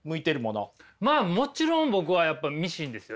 まあもちろん僕はやっぱミシンですよね。